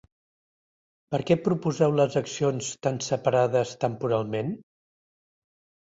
Per què proposeu les accions tan separades temporalment?